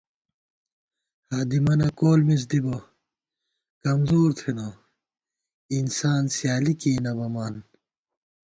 ہادِمَنہ کول مِز دِبہ، کمزور تھنہ، انسان سیالی کېئ نہ بَمان